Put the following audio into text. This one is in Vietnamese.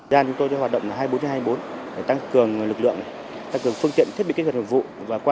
giàn chúng tôi đã hoạt động hai mươi bốn h hai mươi bốn để tăng cường lực lượng tăng cường phương tiện thiết bị kết hợp hợp vụ